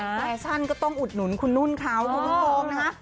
แอคชั่นก็ต้องอุดหนุนคุณนุ่นเขาคุณผู้ชมนะคะ